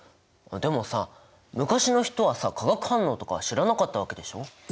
でもさ昔の人はさ化学反応とか知らなかったわけでしょ。